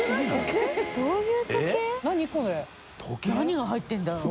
⑺廖何が入ってるんだろう？